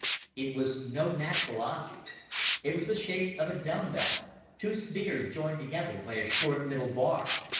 It was no natural object. It was the shape of a dumbbell two spheres joined together by a short middle bar.